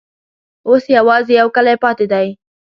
اوس یوازي یو کلی پاته دی.